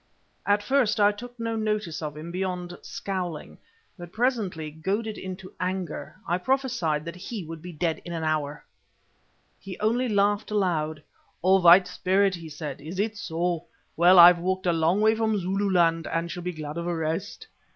At first I took no notice of him beyond scowling, but presently, goaded into anger, I prophesied that he would be dead in an hour! He only laughed aloud. "Oh! White Spirit," he said, "is it so? Well, I've walked a long way from Zululand, and shall be glad of a rest."